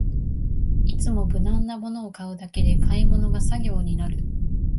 いつも無難なものを買うだけで買い物が作業になる